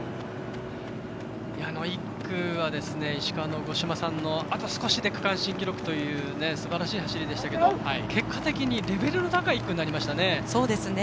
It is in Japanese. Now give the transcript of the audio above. １区は石川の五島さんのあと少しで区間新記録というすばらしい走りでしたけど結果的にレベルの高い１区になりましたね。